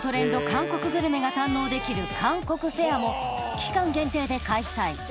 韓国グルメが堪能できる韓国フェアも期間限定で開催